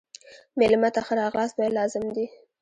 مېلمه ته ښه راغلاست ویل لازم دي.